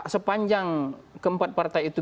sepanjang keempat partai itu